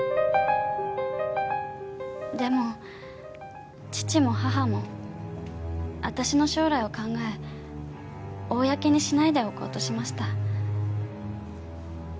でも父も母も私の将来を考え公にしないでおこうとしました。